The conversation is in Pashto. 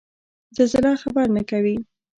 زلزله خبر نه کوي